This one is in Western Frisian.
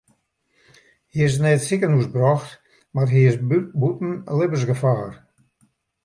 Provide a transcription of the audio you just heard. Hy is nei it sikehús brocht mar hy is bûten libbensgefaar.